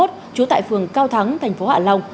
trú tại phường cao thắng thành phố hạ long